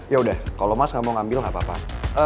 yaudah kalau mas nggak mau ngambil nggak apa apa